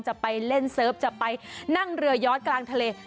จะไปเล่นเซิร์ฟจะไปนั่งเรือย้อนกลางทะเล